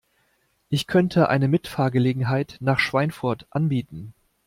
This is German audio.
Ich könnte eine Mitfahrgelegenheit nach Schweinfurt anbieten